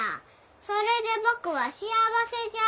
それで僕は幸せじゃあ。